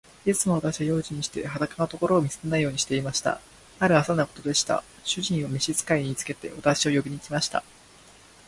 いつも私は用心して、裸のところを見せないようにしていました。ある朝のことでした。主人は召使に言いつけて、私を呼びに来ました。